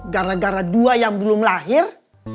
gara gara dua yang belum lahir